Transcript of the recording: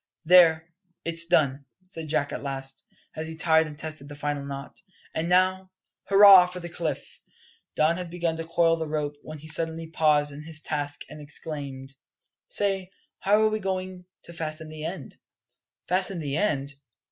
"There, it's done," said Jack at last, as he tied and tested the final knot. "And now, hurrah for the cliff!" Don had begun to coil the rope, when he suddenly paused in his task and exclaimed: "Say, how are we going to fasten the end?" "Fasten the end?